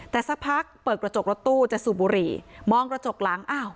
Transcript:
แต่สักพักเปิดกระจกรถตู้จะสูบบุหรี่มองกระจกหลังอ้าว